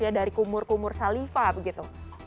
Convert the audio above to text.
ya dari kumur kumur salifah begitu